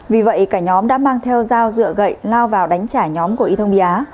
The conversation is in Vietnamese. vì vậy cả nhóm đã mang theo dao dựa gậy lao vào đánh trả nhóm của y thông bia